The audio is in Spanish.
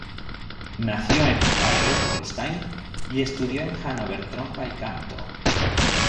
Nació en Heide, Holstein y estudió en Hannover trompa y canto.